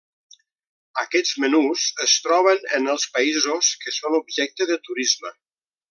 Aquests menús es troben en els països que són objecte de turisme.